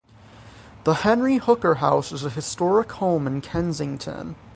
The Henry Hooker House is a historic home in Kensington.